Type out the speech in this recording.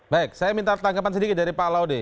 baik saya minta tanggapan sedikit dari pak laude